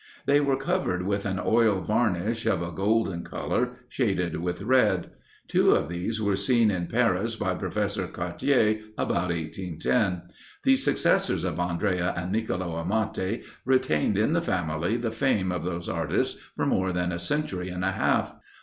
They were covered with an oil varnish, of a golden colour, shaded with red. Two of these were seen in Paris by Professor Cartier about 1810. The successors of Andrea and Nicolo Amati retained in the family the fame of those artists for more than a century and a half.